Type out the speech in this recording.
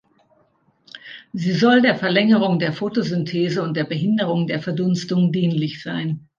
Sie soll der Verlängerung der Photosynthese und der Behinderung der Verdunstung dienlich sein.